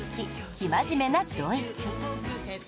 生真面目なドイツ